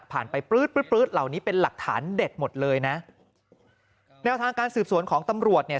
ไปปลื๊ดปลื๊ดเหล่านี้เป็นหลักฐานเด็ดหมดเลยนะแนวทางการสืบสวนของตำรวจเนี่ย